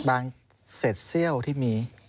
บางเศษเซี่ยวที่มี